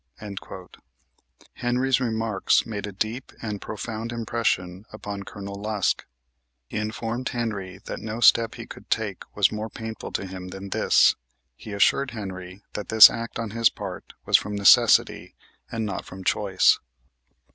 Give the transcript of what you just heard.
Henry's remarks made a deep and profound impression upon Colonel Lusk. He informed Henry that no step he could take was more painful to him than this. He assured Henry that this act on his part was from necessity and not from choice.